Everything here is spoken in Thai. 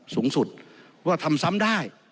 สูงสุด